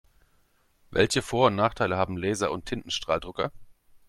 Welche Vor- und Nachteile haben Laser- und Tintenstrahldrucker?